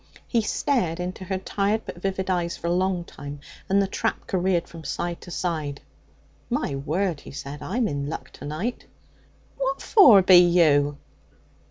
He stared into her tired but vivid eyes for a long time, and the trap careered from side to side. 'My word!' he said, 'I'm in luck to night!' 'What for be you?'